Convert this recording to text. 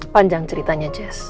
panjang ceritanya jess